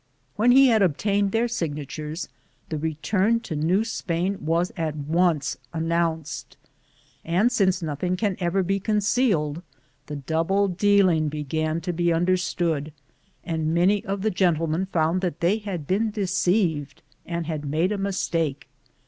When he had obtained their signatures, the return to New Spain was at once announced, and since nothing can ever be concealed, the double dealing began to be understood, and many of the gentlemen found that they had been deceived and had made a mistake.